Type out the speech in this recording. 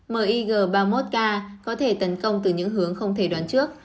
mig ba mươi một k có thể tấn công từ những hướng không thể đoán trước